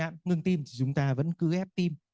người bị nạn ngừng tim thì chúng ta vẫn cứ ép tim